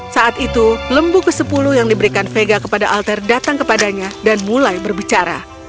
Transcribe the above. saat itu lembu ke sepuluh yang diberikan vega kepada alter datang kepadanya dan mulai berbicara